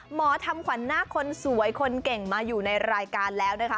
หมอทำขวัญหน้าคนสวยคนเก่งมาอยู่ในรายการแล้วนะคะ